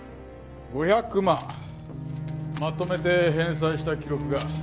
５００万まとめて返済した記録が残ってましたよ。